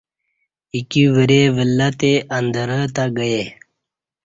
ا ایکی ورے ولہّ تے اندرہ تے گئے